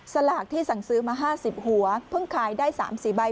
สลากที่สั่งซื้อมาห้าสิบหัวเพิ่งขายได้สามสี่ใบ